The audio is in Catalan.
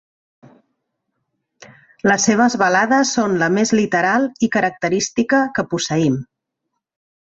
Les seves balades són la més literal i característica que posseïm.